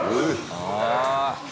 ああ！